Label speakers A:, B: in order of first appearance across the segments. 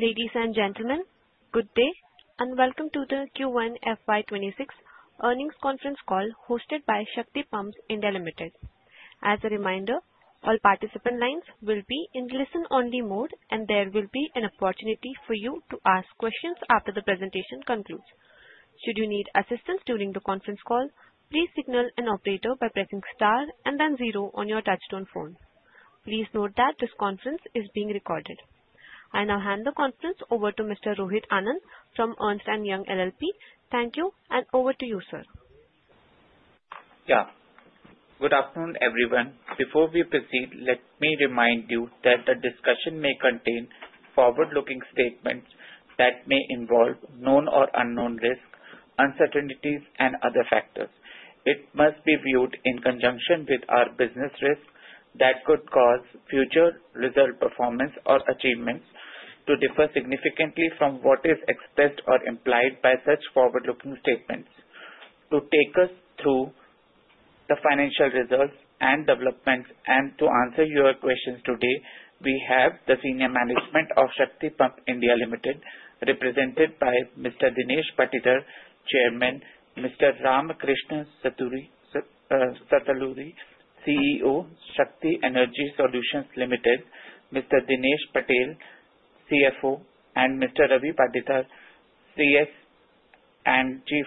A: Ladies and gentlemen, good day and welcome to the Q1 FY26 earnings conference call hosted by Shakti Pumps India Limited. As a reminder, all participant lines will be in listen-only mode, and there will be an opportunity for you to ask questions after the presentation concludes. Should you need assistance during the conference call, please signal an operator by pressing star and then zero on your touch-tone phone. Please note that this conference is being recorded. I now hand the conference over to Mr. Rohit Anand from Ernst & Young LLP. Thank you, and over to you, sir.
B: Good afternoon, everyone. Before we proceed, let me remind you that the discussion may contain forward-looking statements that may involve known or unknown risk, uncertainties, and other factors. It must be viewed in conjunction with our business risk that could cause future result performance or achievements to differ significantly from what is expressed or implied by such forward-looking statements. To take us through the financial results and developments, and to answer your questions today, we have the senior management of Shakti Pumps India Limited, represented by Mr. Dinesh Patil, Chairman; Mr. Ramakrishna Sataluri, CEO, Shakti Energy Solutions Limited; Mr. Dinesh Patil, CFO; and Mr. Ravi Patil, CF and Chief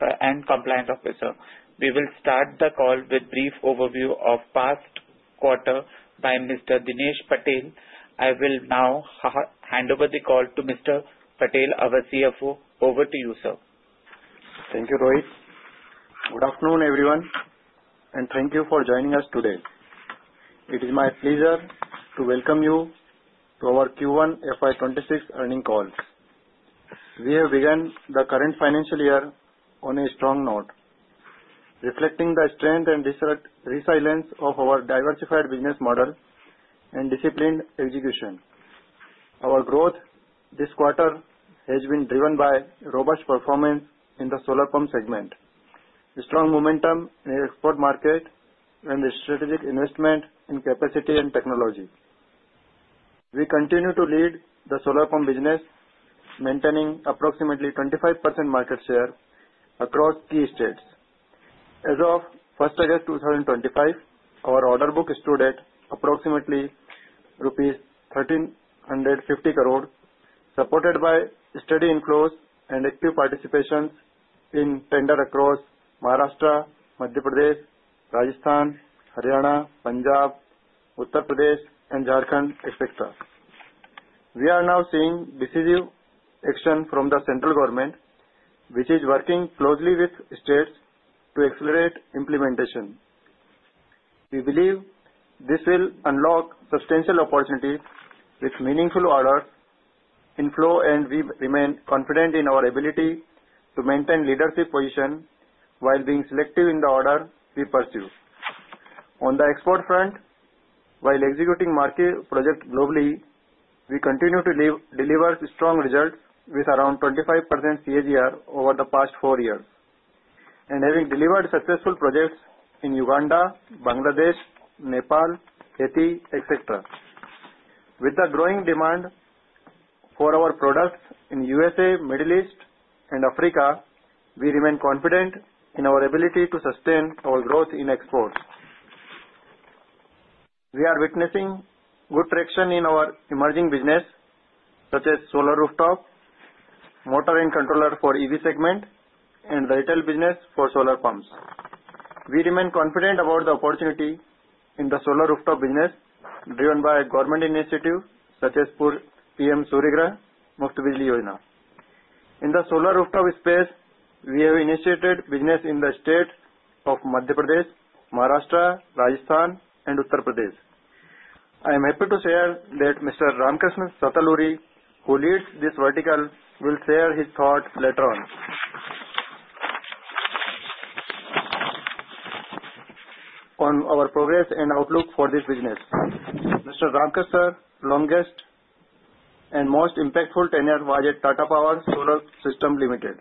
B: Compliance Officer. We will start the call with a brief overview of the past quarter by Mr. Dinesh Patil. I will now hand over the call to Mr. Patil as the CFO. Over to you, sir.
C: Thank you, Rohit. Good afternoon, everyone, and thank you for joining us today. It is my pleasure to welcome you to our Q1 FY26 earnings call. We have begun the current financial year on a strong note, reflecting the strength and resilience of our diversified business model and disciplined execution. Our growth this quarter has been driven by robust performance in the solar pump segment, strong momentum in the export market, and strategic investment in capacity and technology. We continue to lead the solar pump business, maintaining approximately 25% market share across key states. As of August 1, 2025, our order book stood at approximately ₹1,350 crore, supported by steady inflows and active participation in tenders across Maharashtra, Madhya Pradesh, Rajasthan, Haryana, Punjab, Uttar Pradesh, and Jharkhand. We are now seeing decisive action from the central government, which is working closely with states to accelerate implementation. We believe this will unlock substantial opportunities with meaningful orders in flow, and we remain confident in our ability to maintain leadership positions while being selective in the orders we pursue. On the export front, while executing market projects globally, we continue to deliver strong results with around 25% CAGR over the past four years, and having delivered successful projects in Uganda, Bangladesh, Nepal, Haiti, etc. With the growing demand for our products in the USA, Middle East, and Africa, we remain confident in our ability to sustain our growth in exports. We are witnessing good traction in our emerging business, such as solar rooftop, motor and controller for the EV segment, and the retail business for solar pumps. We remain confident about the opportunity in the solar rooftop business, driven by government initiatives such as PM Surya Ghar Muft Bijli Yojana. In the solar rooftop space, we have initiated business in the states of Madhya Pradesh, Maharashtra, Rajasthan, and Uttar Pradesh. I am happy to share that Mr. Ramakrishna Sataluri, who leads this vertical, will share his thoughts later on our progress and outlook for this business. Mr. Ramakrishna's longest and most impactful tenure was at Tata Power Solar Systems Limited,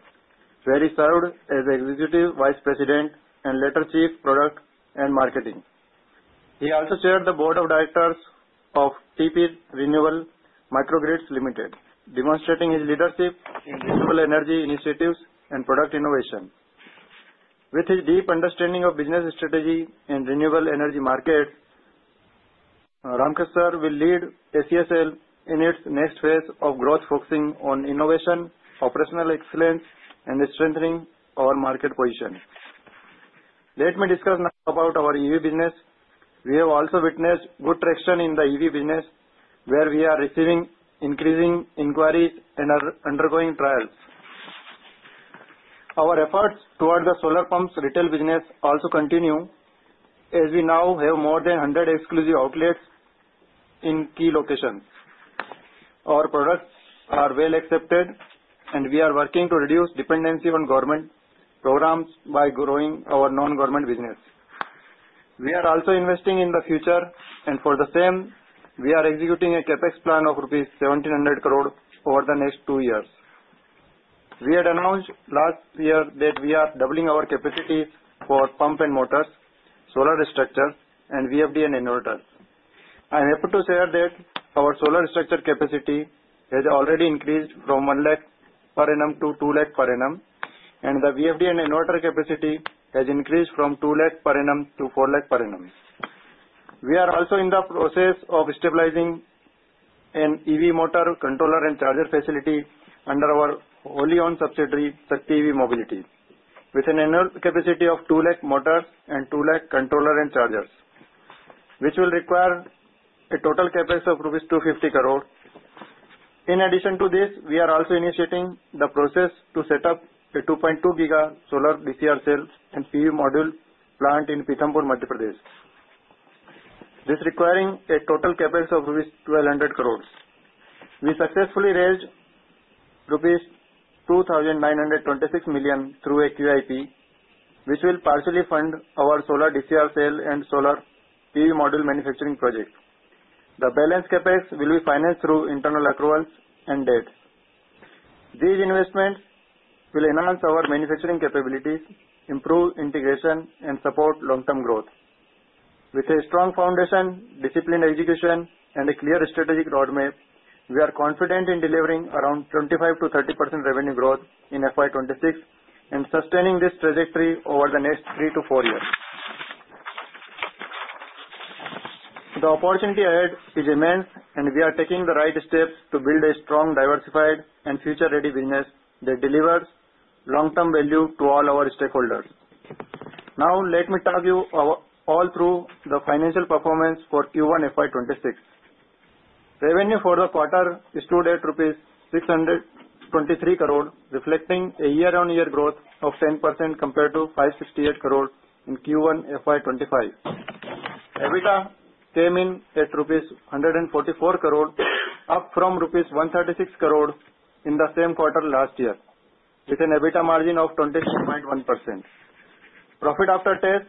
C: where he served as Executive Vice President and later Chief Product and Marketing Officer. He also chaired the Board of Directors of TP Renewable Microgrids Limited, demonstrating his leadership in renewable energy initiatives and product innovation. With his deep understanding of business strategy and renewable energy markets, Ramakrishna will lead ACSL in its next phase of growth, focusing on innovation, operational excellence, and strengthening our market position. Let me discuss now our EV business. We have also witnessed good traction in the EV business, where we are receiving increasing inquiries and are undergoing trials. Our efforts toward the solar pumps retail business also continue, as we now have more than 100 exclusive outlets in key locations. Our products are well accepted, and we are working to reduce dependency on government programs by growing our non-government business. We are also investing in the future, and for the same, we are executing a CAPEX plan of 1,700 crore over the next two years. We had announced last year that we are doubling our capacities for pump and motors, solar structures, and VFD and inverters. I am happy to share that our solar structure capacity has already increased from 1 lakh per annum to 2 lakh per annum, and the VFD and inverter capacity has increased from 2 lakh per annum to 4 lakh per annum. We are also in the process of stabilizing an EV motor controller and charger facility under our OLEON subsidiary, Shakti EV Mobility, with an annual capacity of 2 lakh motors and 2 lakh controller and chargers, which will require a total capex of Rs. 250 crore. In addition to this, we are also initiating the process to set up a 2.2 giga solar DCR cells and PV module plant in Pithampur, Madhya Pradesh. This is requiring a total capex of Rs. 1,200 crore. We successfully raised Rs. 2,926 million through a QIP, which will partially fund our solar DCR cell and solar PV module manufacturing project. The balanced capex will be financed through internal accruals and debts. These investments will enhance our manufacturing capabilities, improve integration, and support long-term growth. With a strong foundation, disciplined execution, and a clear strategic roadmap, we are confident in delivering around 25% to 30% revenue growth in FY26 and sustaining this trajectory over the next three to four years. The opportunity ahead is immense, and we are taking the right steps to build a strong, diversified, and future-ready business that delivers long-term value to all our stakeholders. Now, let me talk you all through the financial performance for Q1 FY26. Revenue for the quarter stood at ₹623 crore, reflecting a year-on-year growth of 10% compared to ₹568 crore in Q1 FY25. EBITDA came in at ₹144 crore, up from ₹136 crore in the same quarter last year, with an EBITDA margin of 26.1%. Profit after tax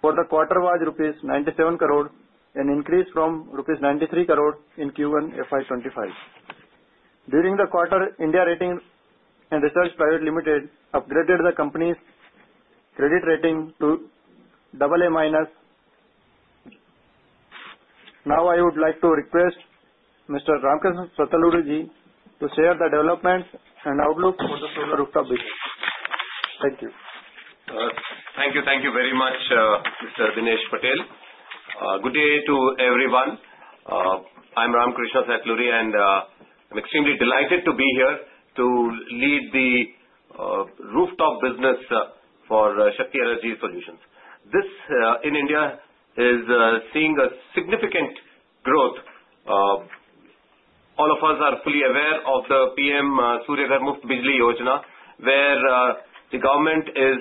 C: for the quarter was ₹97 crore, an increase from ₹93 crore in Q1 FY25. During the quarter, India Rating and Research Private Limited upgraded the company's credit rating to AA-. Now, I would like to request Mr. Ramakrishna Sataluri to share the developments and outlook for the solar rooftop business. Thank you.
D: Thank you. Thank you very much, Mr. Dinesh Patil. Good day to everyone. I am Ramakrishna Sataluri, and I am extremely delighted to be here to lead the rooftop business for Shakti Energy Solutions. This, in India, is seeing significant growth. All of us are fully aware of the PM Surya Ghar Mostavijli Yojana, where the government is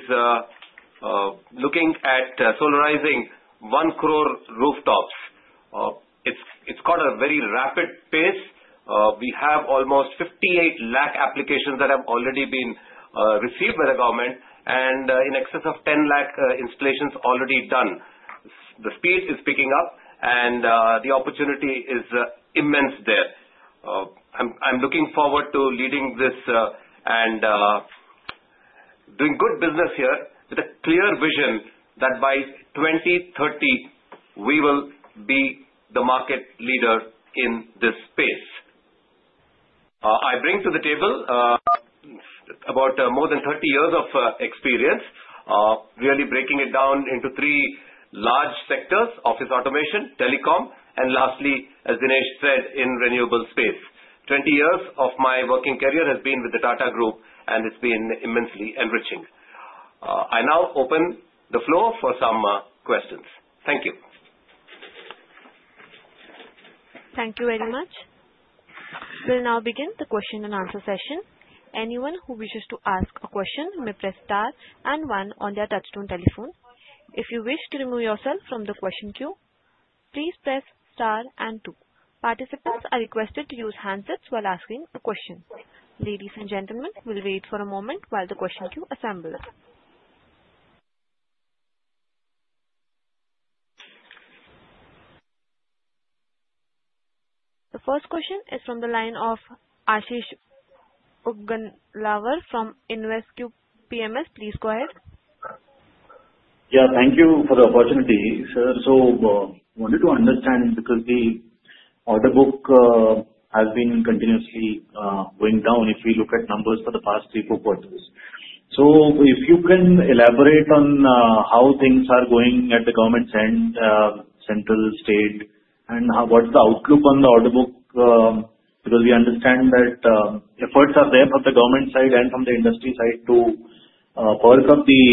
D: looking at solarizing one crore rooftops. It's got a very rapid pace. We have almost 58 lakh applications that have already been received by the government, and in excess of 10 lakh installations already done. The speed is picking up, and the opportunity is immense there. I am looking forward to leading this and doing good business here with a clear vision that by 2030, we will be the market leader in this space. I bring to the table about more than 30 years of experience, really breaking it down into three large sectors: office automation, telecom, and lastly, as Dinesh said, in the renewable space. Twenty years of my working career has been with the Tata Group, and it's been immensely enriching. I now open the floor for some questions. Thank you.
A: Thank you very much. We will now begin the question and answer session. Anyone who wishes to ask a question may press star and one on their touch-tone telephone. If you wish to remove yourself from the question queue, please press star and two. Participants are requested to use handsets while asking a question. Ladies and gentlemen, we will wait for a moment while the question queue assembles. The first question is from the line of Ashish Uggandawar from Invescube PMS. Please go ahead. Thank you for the opportunity, sir. I wanted to understand because the order book has been continuously going down if we look at numbers for the past three to four quarters. If you can elaborate on how things are going at the government and central state, and what's the outlook on the order book? Because we understand that efforts are there from the government side and from the industry side to work up the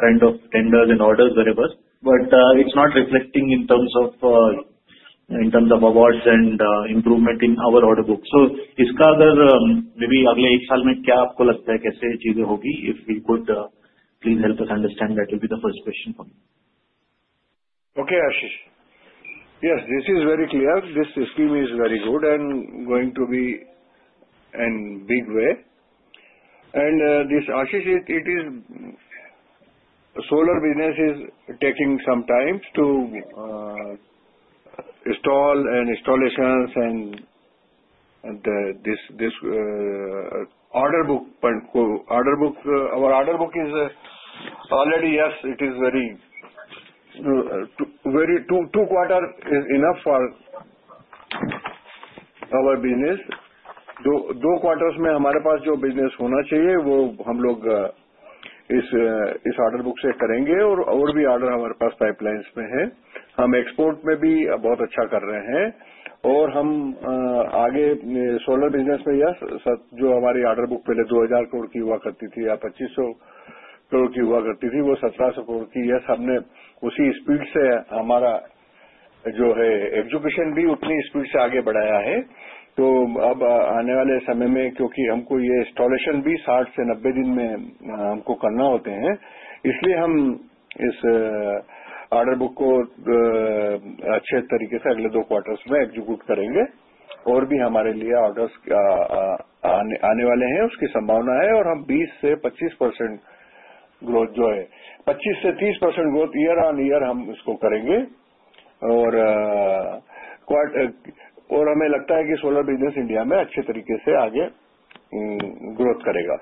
A: kind of tenders and orders wherever, but it's not reflecting in terms of awards and improvement in our order book. इसका अगर maybe अगले एक साल में क्या आपको लगता है, कैसे चीजें होंगी? If we could, please help us understand that will be the first question for me.
C: Okay, Ashish. Yes, this is very clear. This scheme is very good and going to be in a big way. And this, Ashish, it is solar business is taking some time to install and installations, and this order book our order book is already, yes, it is very two quarters is enough for our business. दो quarters में हमारे पास जो business होना चाहिए, वो हम लोग इस order book से करेंगे, और और भी order हमारे पास pipelines में है। हम export में भी बहुत अच्छा कर रहे हैं, और हम आगे solar business में, yes, जो हमारी order book पहले 2,000 crore की हुआ करती थी या 2,500 crore की हुआ करती थी, वो 1,700 crore की, yes, हमने उसी speed से हमारा जो है execution भी उतनी speed से आगे बढ़ाया है। तो अब आने वाले समय में, क्योंकि हमको ये installation भी 60 से 90 दिन में हमको करना होते हैं, इसलिए हम इस order book को अच्छे तरीके से अगले दो quarters में execute करेंगे। और भी हमारे लिए orders आने वाले हैं, उसकी संभावना है, और हम 20% से 25% growth, जो है 25% से 30% growth year on year हम इसको करेंगे। और हमें लगता है कि solar business India में अच्छे तरीके से आगे growth करेगा।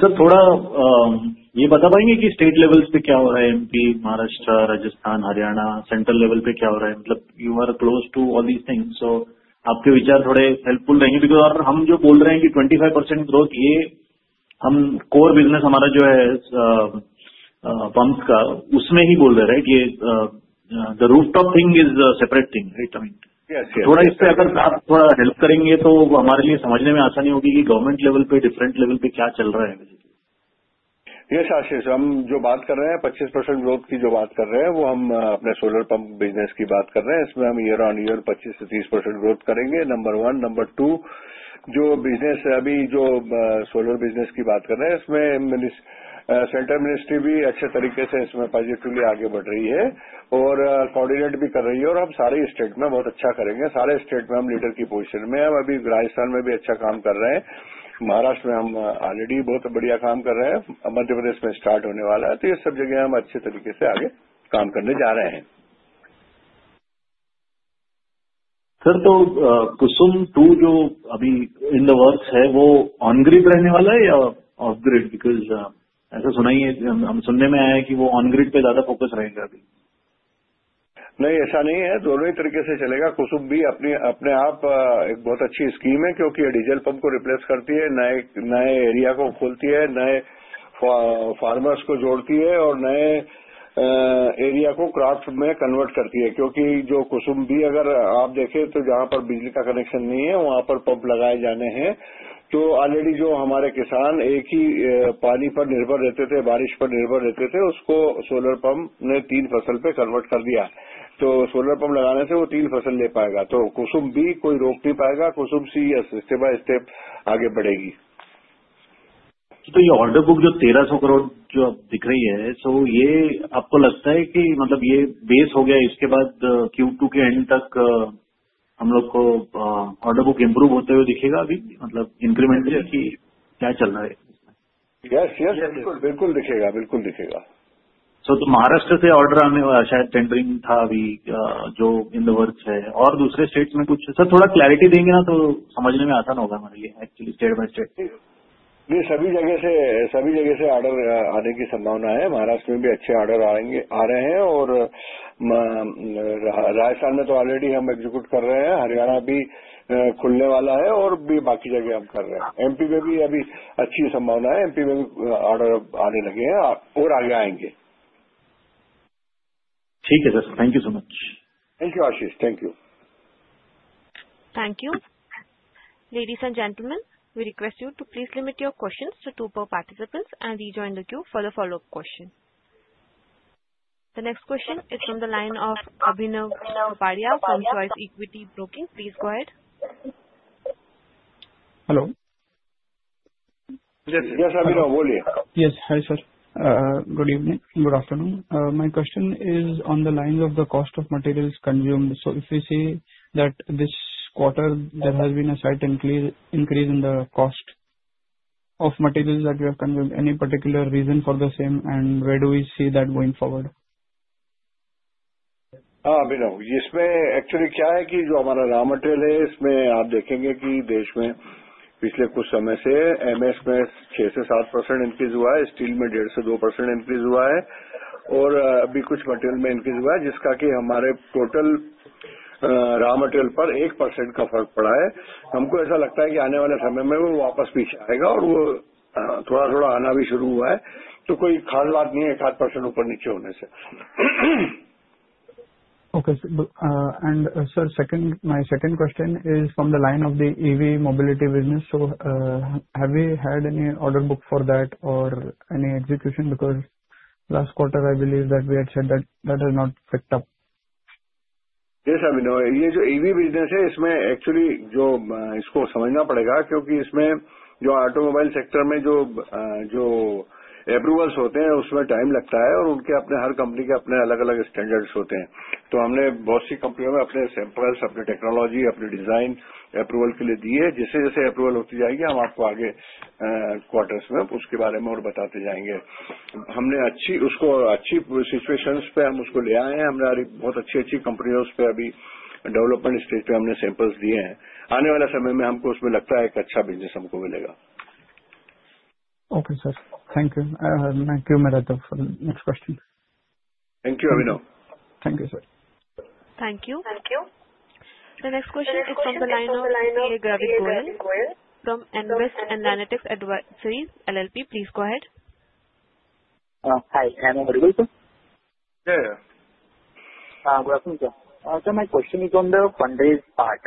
C: Sir, थोड़ा ये बता पाएंगे कि state levels पे क्या हो रहा है, MP, Maharashtra, Rajasthan, Haryana, central level पे क्या हो रहा है? मतलब you are close to all these things, so आपके विचार थोड़े helpful रहेंगे, because हम जो बोल रहे हैं कि 25% growth ये हम core business हमारा जो है pumps का, उसमें ही बोल रहे हैं, right? ये the rooftop thing is a separate thing, right? I mean, थोड़ा इस पे अगर आप थोड़ा help करेंगे, तो हमारे लिए समझने में आसानी होगी कि government level पे different level पे क्या चल रहा है। Yes, Ashish, हम जो बात कर रहे हैं 25% growth की जो बात कर रहे हैं, वो हम अपने solar pump business की बात कर रहे हैं। इसमें हम year on year 25 से 30% growth करेंगे। Number one, number two, जो business है, अभी जो solar business की बात कर रहे हैं, इसमें central ministry भी अच्छे तरीके से इसमें positively आगे बढ़ रही है, और coordinate भी कर रही है, और हम सारे state में बहुत अच्छा करेंगे। सारे state में हम leader की position में हैं। हम अभी Rajasthan में भी अच्छा काम कर रहे हैं, Maharashtra में हम already बहुत बढ़िया काम कर रहे हैं, मध्य प्रदेश में start होने वाला है, तो ये सब जगह हम अच्छे तरीके से आगे काम करने जा रहे हैं। Sir, तो KUSUM II जो अभी in the works है, वो on-grid रहने वाला है या off-grid? Because ऐसा सुनाई है, हम सुनने में आया है कि वो on-grid पे ज्यादा focus रहेगा अभी। नहीं, ऐसा नहीं है। दोनों ही तरीके से चलेगा। KUSUM भी अपने आप एक बहुत अच्छी scheme है, क्योंकि ये diesel pump को replace करती है, नए area को खोलती है, नए farmers को जोड़ती है, और नए area को crop में convert करती है। क्योंकि जो KUSUM भी अगर आप देखें, तो जहाँ पर बिजली का connection नहीं है, वहाँ पर pump लगाए जाने हैं। तो already जो हमारे किसान एक ही पानी पर निर्भर रहते थे, बारिश पर निर्भर रहते थे, उसको solar pump ने तीन फसल पे convert कर दिया। तो solar pump लगाने से वो तीन फसल ले पाएगा। तो KUSUM भी कोई रोक नहीं पाएगा। KUSUM serious step by step आगे बढ़ेगी। तो ये order book जो ₹1300 करोड़ जो अब दिख रही है, so ये आपको लगता है कि मतलब ये base हो गया, इसके बाद Q2 के end तक हम लोगों को order book improve होते हुए दिखेगा अभी? मतलब increment की क्या चल रहा है? Yes, yes, बिल्कुल, बिल्कुल दिखेगा, बिल्कुल दिखेगा। Sir, तो Maharashtra से order आने वाला शायद tendering था अभी जो in the works है, और दूसरे states में कुछ? Sir, थोड़ा clarity देंगे ना, तो समझने में आसान होगा हमारे लिए, actually step by step. नहीं, सभी जगह से, सभी जगह से order आने की संभावना है। Maharashtra में भी अच्छे order आ रहे हैं, और Rajasthan में तो already हम execute कर रहे हैं, Haryana भी खुलने वाला है, और भी बाकी जगह हम कर रहे हैं। MP में भी अभी अच्छी संभावना है, MP में भी order आने लगे हैं, और आगे आएंगे। ठीक है, sir, thank you so much. Thank you, Ashish, thank you.
A: Thank you. Ladies and gentlemen, we request you to please limit your questions to two participants and rejoin the queue for the follow-up question. The next question is from the line of Abhinav Pabaria from Choice Equity Broking. Please go ahead. Hello.
C: Yes, Abhinav, bold it. Yes, hi sir. Good evening, good afternoon. My question is on the lines of the cost of materials consumed. So if we see that this quarter there has been a slight increase in the cost of materials that we have consumed, any particular reason for the same, and where do we see that going forward? Abhinav, इसमें actually क्या है कि जो हमारा raw material है, इसमें आप देखेंगे कि देश में पिछले कुछ समय से MS में 6 से 7% increase हुआ है, steel में 1.5 से 2% increase हुआ है, और अभी कुछ material में increase हुआ है, जिसका कि हमारे total raw material पर 1% का फर्क पड़ा है। हमको ऐसा लगता है कि आने वाले समय में वो वापस पीछे आएगा, और वो थोड़ा-थोड़ा आना भी शुरू हुआ है। तो कोई खास बात नहीं है, 1-8% ऊपर-नीचे होने से। Okay, sir. My second question is from the line of the EV mobility business. So have we had any order book for that, or any execution? Because last quarter I believe that we had said that that has not picked up. Yes, Abhinav, ये जो EV business है, इसमें actually जो इसको समझना पड़ेगा, क्योंकि इसमें जो automobile sector में जो approvals होते हैं, उसमें time लगता है, और उनके अपने हर company के अपने अलग-अलग standards होते हैं। तो हमने बहुत सी कंपनियों में अपने samples, अपनी technology, अपनी design approval के लिए दी है। जैसे-जैसे approval होती जाएगी, हम आपको आगे quarters में उसके बारे में और बताते जाएंगे। हमने अच्छी, उसको अच्छी situations पे हम उसको ले आए हैं। हमारी बहुत अच्छी-अच्छी कंपनियों पे अभी development stage पे हमने samples दिए हैं। आने वाले समय में हमको उसमें लगता है एक अच्छा business हमको मिलेगा। Okay, sir, thank you. Thank you, my brother, for the next question. Thank you, Abhinav. Thank you, sir.
A: Thank you. The next question is from the line of EV Gravity Coil from Invest Analytics Advisories LLP. Please go ahead. Hi, can I hear you well?
C: Yeah, yeah. Good afternoon, sir. Sir, my question is on the fundraising part.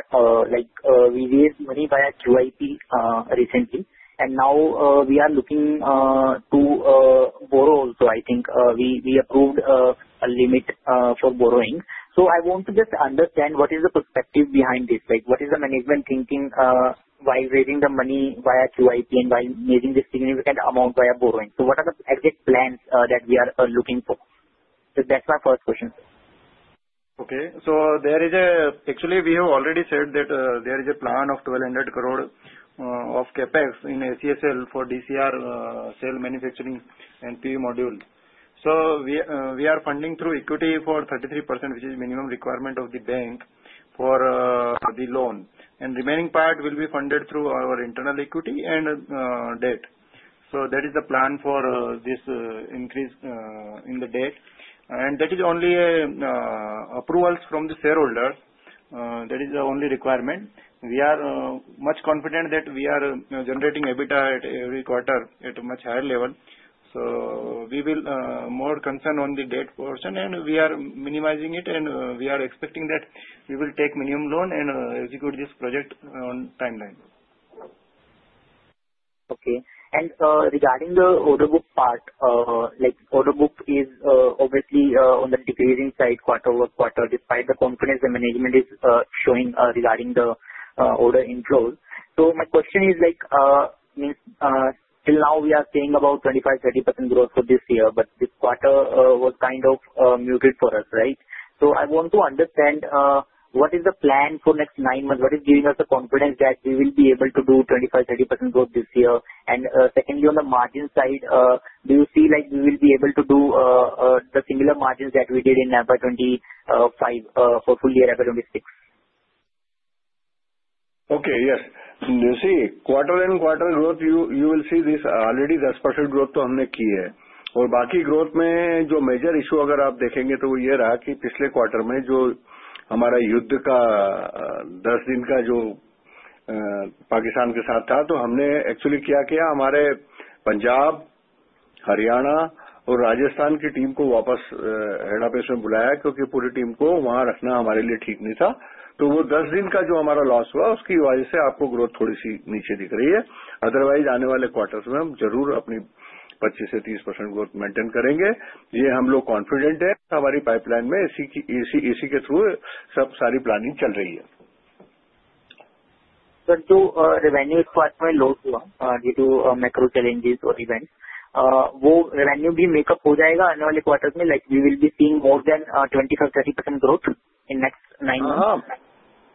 C: We raised money via QIP recently, and now we are looking to borrow also, I think. We approved a limit for borrowing. I want to just understand what is the perspective behind this. What is the management thinking while raising the money via QIP and while making this significant amount via borrowing? What are the exact plans that we are looking for? That's my first question, sir. So there is actually, we have already said that there is a plan of 1,200 crore of capex in ACSL for DCR sale manufacturing and PV module. We are funding through equity for 33%, which is minimum requirement of the bank for the loan. And remaining part will be funded through our internal equity and debt. That is the plan for this increase in the debt. And that is only approvals from the shareholders. That is the only requirement. We are much confident that we are generating EBITDA at every quarter at a much higher level. We will more concern on the debt portion, and we are minimizing it, and we are expecting that we will take minimum loan and execute this project on timeline. Okay. Regarding the order book part, the order book is obviously on the decreasing side quarter over quarter, despite the companies and management showing regarding the order inflows. So my question is, till now we are seeing about 25-30% growth for this year, but this quarter was kind of muted for us, right? So I want to understand what is the plan for next nine months? What is giving us the confidence that we will be able to do 25-30% growth this year? Secondly, on the margin side, do you see we will be able to do the similar margins that we did in FY25 for full year FY26? Okay, yes. You see, quarter and quarter growth, you will see this already 10% growth तो हमने की है। और बाकी growth में जो major issue अगर आप देखेंगे तो वो ये रहा कि पिछले quarter में जो हमारा युद्ध का 10 दिन का जो पाकिस्तान के साथ था, तो हमने actually क्या किया? हमारे Punjab, Haryana और Rajasthan की team को वापस headquarters में बुलाया, क्योंकि पूरी team को वहाँ रखना हमारे लिए ठीक नहीं था। तो वो 10 दिन का जो हमारा loss हुआ, उसकी वजह से आपको growth थोड़ी सी नीचे दिख रही है। Otherwise, आने वाले quarters में हम जरूर अपनी 25% से 30% growth maintain करेंगे। ये हम लोग confident हैं। हमारी pipeline में इसी के through सब सारी planning चल रही है। Sir, जो revenue इस quarter में load हुआ, due to macro challenges और events, वो revenue भी make up हो जाएगा आने वाले quarters में? Like, we will be seeing more than 25-30% growth in next nine months?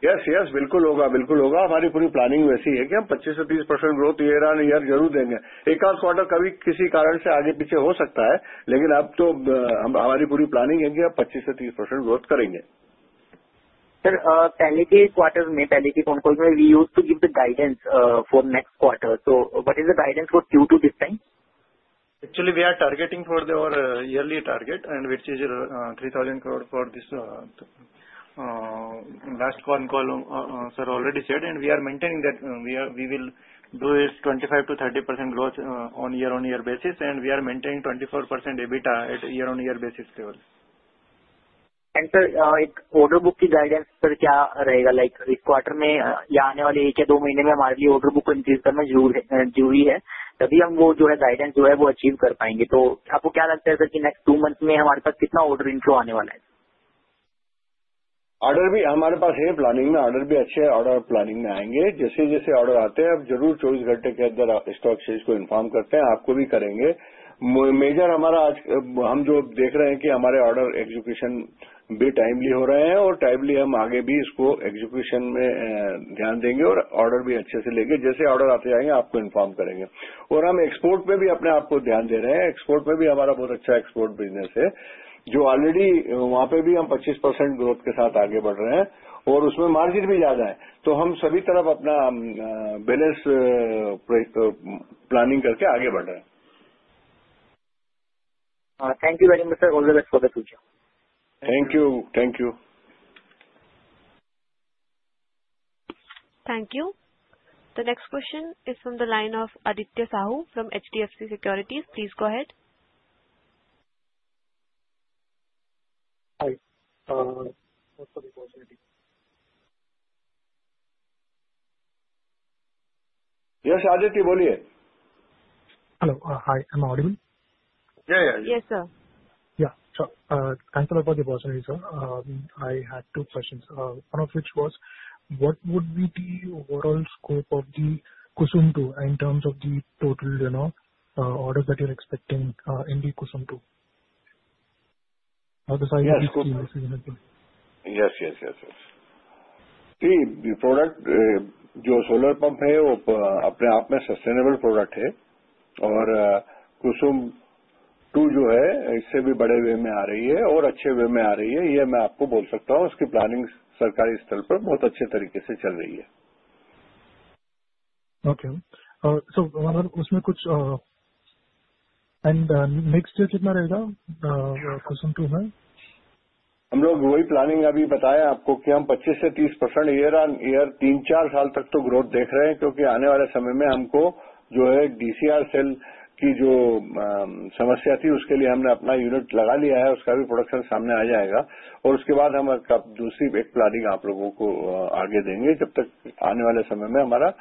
C: Yes, yes, बिल्कुल होगा, बिल्कुल होगा। हमारी पूरी planning वैसी है कि हम 25% से 30% growth year on year जरूर देंगे। एक आध quarter कभी किसी कारण से आगे पीछे हो सकता है, लेकिन अब तो हमारी पूरी planning है कि हम 25% से 30% growth करेंगे। Sir, पहले के quarters में, पहले के phone calls में, we used to give the guidance for next quarter. So what is the guidance for Q2 this time? Actually, we are targeting the yearly target, which is 3,000 crore for this. Last phone call, sir already said, and we are maintaining that we will do 25% to 30% growth on year-on-year basis, and we are maintaining 24% EBITDA at year-on-year basis level. And sir, एक order book की guidance, sir, क्या रहेगा? Like, इस quarter में या आने वाले एक या दो महीने में हमारे लिए order book increase करना जरूरी है, तभी हम वो जो है guidance जो है वो achieve कर पाएंगे। तो आपको क्या लगता है, sir, कि next two months में हमारे पास कितना order inflow आने वाला है? Order भी हमारे पास है planning में, order भी अच्छे हैं, order planning में आएंगे। जैसे-जैसे order आते हैं, अब जरूर 24 घंटे के अंदर stock sales को inform करते हैं, आपको भी करेंगे। Major हमारा आज हम जो देख रहे हैं कि हमारे order execution भी timely हो रहे हैं, और timely हम आगे भी इसको execution में ध्यान देंगे, और order भी अच्छे से लेंगे। जैसे order आते जाएंगे, आपको inform करेंगे। हम export में भी अपने आप को ध्यान दे रहे हैं। Export में भी हमारा बहुत अच्छा export business है, जो already वहाँ पे भी हम 25% growth के साथ आगे बढ़ रहे हैं, और उसमें margin भी ज्यादा है। तो हम सभी तरफ अपना balance planning करके आगे बढ़ रहे हैं। Thank you very much, sir. All the best for the future. Thank you, thank you.
A: Thank you. The next question is from the line of Aditya Sahu from HDFC Securities. Please go ahead.
C: Hi. Yes, Aditya, bold it. Hello, hi. Am I audible? Yeah, yeah, yeah.
A: Yes, sir. Yes, sir. Thanks a lot for the opportunity, sir. I had two questions. One of which was, what would be the overall scope of the KUSUM II in terms of the total orders that you're expecting in the KUSUM II? How has the decision been decided?
C: Ji, product जो solar pump है, वो अपने आप में sustainable product है, और KUSUM II जो है, इससे भी बड़े way में आ रही है, और अच्छे way में आ रही है। ये मैं आपको बोल सकता हूँ, इसकी planning सरकारी स्तर पर बहुत अच्छे तरीके से चल रही है। Okay. So, मतलब उसमें कुछ, and next year कितना रहेगा KUSUM II में? हम लोग वही planning अभी बताया आपको कि हम 25% से 30% year on year, तीन-चार साल तक तो growth देख रहे हैं, क्योंकि आने वाले समय में हमको जो है DCR sale की जो समस्या थी, उसके लिए हमने अपना unit लगा लिया है, उसका भी production सामने आ जाएगा। और उसके बाद हम एक दूसरी एक planning आप लोगों को आगे देंगे, जब तक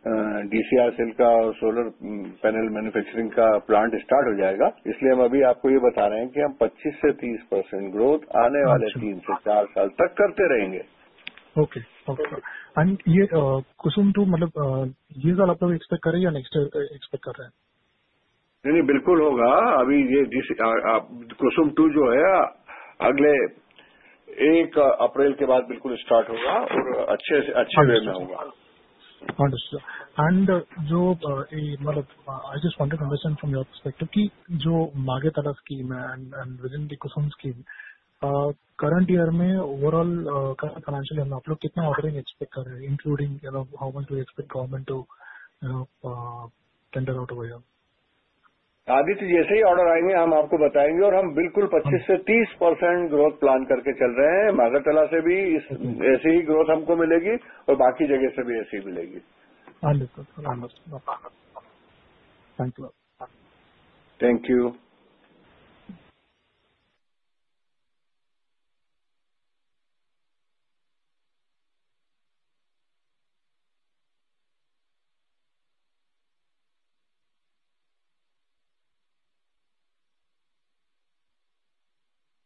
C: आने वाले समय में हमारा DCR sale का solar panel manufacturing का plant start हो जाएगा। इसलिए हम अभी आपको ये बता रहे हैं कि हम 25% से 30% growth आने वाले तीन से चार साल तक करते रहेंगे। Okay, okay. And ये KUSUM II, मतलब ये साल आप लोग expect कर रहे हैं या next year expect कर रहे हैं? नहीं, नहीं, बिल्कुल होगा। अभी यह जो आप KUSUM II है, अगले एक अप्रैल के बाद बिल्कुल start होगा, और अच्छे से अच्छे way में होगा। Understood. And जो, मतलब I just wanted to understand from your perspective कि जो मागे तरफ की and within the KUSUM II की current year में overall financial, आप लोग कितना ordering expect कर रहे हैं, including how much do you expect government to tender out over here? Aditya, जैसे ही order आएंगे, हम आपको बताएंगे, और हम बिल्कुल 25% से 30% growth plan करके चल रहे हैं। मागाटला से भी इस ऐसी ही growth हमको मिलेगी, और बाकी जगह से भी ऐसी ही मिलेगी। Thank you. Thank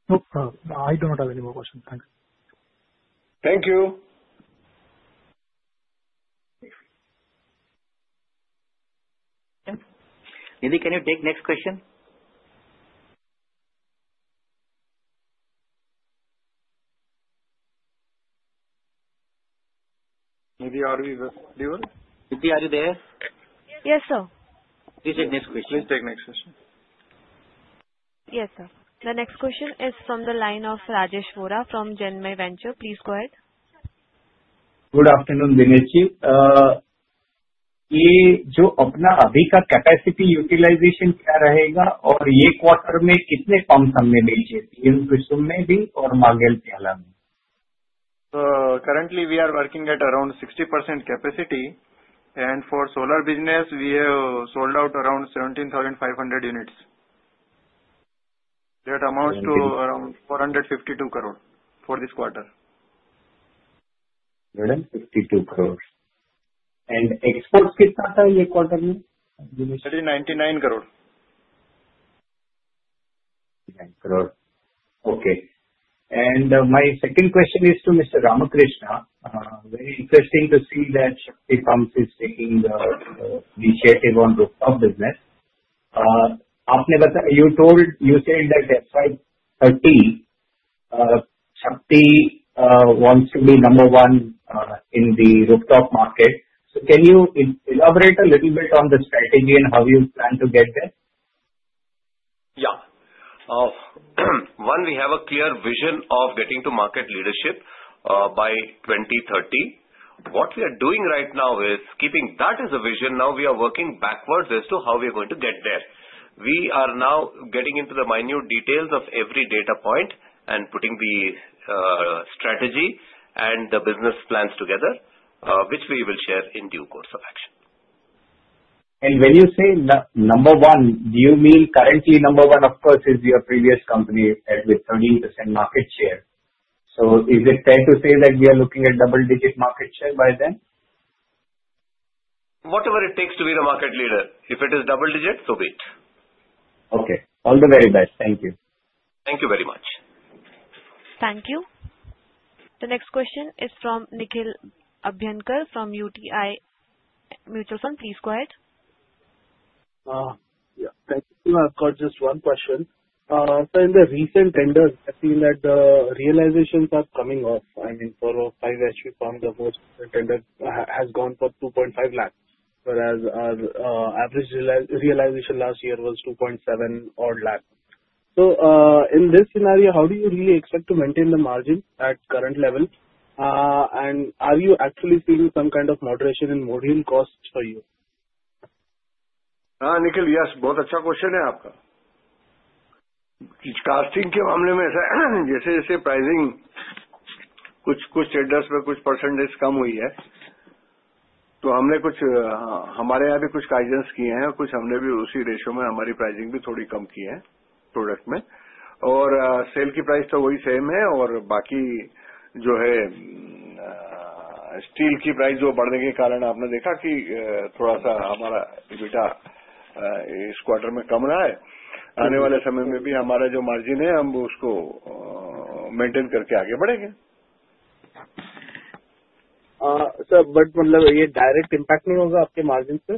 C: you. I do not have any more questions. Thank you. Thank you. Indy, can you take the next question? Indy, are we there? Indy, are you there?
A: Yes, sir. Please take the next question.
C: Please take the next question.
A: Yes, sir. The next question is from the line of Rajesh Vora from GenMy Venture. Please go ahead. Good afternoon, Dinesh ji. ये जो अपना अभी का capacity utilization क्या रहेगा, और ये quarter में कितने pumps हमने बेचे PM KUSUM में भी और normal sale में?
C: Currently, we are working at around 60% capacity, and for solar business, we have sold out around 17,500 units. That amounts to around 452 crore for this quarter. 452 crore. And exports कितना था ये quarter में? 99 crore. 99 crore. Okay. And my second question is to Mr. Ramakrishna. Very interesting to see that Shakti Pumps is taking the initiative on rooftop business. आपने बताया, you told, you said that by FY30, Shakti wants to be number one in the rooftop market. So can you elaborate a little bit on the strategy and how you plan to get there? Yeah. Oh, one, we have a clear vision of getting to market leadership by 2030. What we are doing right now is keeping that as a vision. Now we are working backwards as to how we are going to get there. We are now getting into the minute details of every data point and putting the strategy and the business plans together, which we will share in due course of action. When you say number one, do you mean currently number one, of course, is your previous company with 13% market share? So is it fair to say that we are looking at double-digit market share by then? Whatever it takes to be the market leader. If it is double-digit, so be it. Okay. All the very best. Thank you. Thank you very much.
A: Thank you. The next question is from Nikhil Abhyankar from UTI Mutual Fund. Please go ahead. Yeah, thank you. I've got just one question. Sir, in the recent tenders, I've seen that the realizations are coming off. I mean, for five HP pumps, the most recent tender has gone for 2.5 lakhs, whereas our average realization last year was 2.7 odd lakhs. So in this scenario, how do you really expect to maintain the margin at current level? Are you actually seeing some kind of moderation in module costs for you?
C: Nikhil, yes, बहुत अच्छा question है आपका। Casting के मामले में ऐसा है, जैसे-जैसे pricing कुछ tenders में कुछ percentage कम हुई है, तो हमने हमारे यहाँ भी कुछ guidance किए हैं, और हमने भी उसी ratio में हमारी pricing भी थोड़ी कम की है product में। Sale की price तो वही same है, और बाकी जो है steel की price जो बढ़ने के कारण आपने देखा कि थोड़ा सा हमारा EBITDA इस quarter में कम रहा है। आने वाले समय में भी हमारा जो margin है, हम उसको maintain करके आगे बढ़ेंगे। Sir, but मतलब ये direct impact नहीं होगा आपके margin पे?